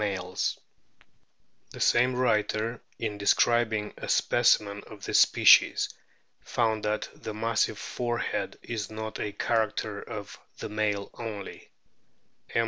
BEAKED WHALES 227 The same writer, in describing a specimen of this species, found that the massive forehead is not a character of the male only ; M.